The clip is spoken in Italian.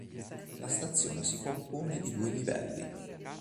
La stazione si compone di due livelli.